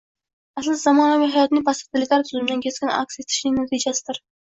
aslida, zamonaviy hayotning posttotalitar tuzumda keskin aks etishining natijasidir